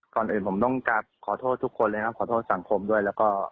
ก่อนอื่นผมต้องกลับขอโทษทุกคนเลยครับขอโทษสังคมด้วยแล้วก็